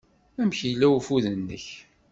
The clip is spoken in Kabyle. Amek yella ufud-nnek?